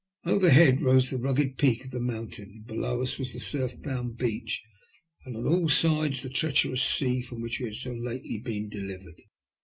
Overhead rose the rugged peak of the mountain, below us was the surf bound beach, and on all sides the treacherous sea from which we had so lately been delivered.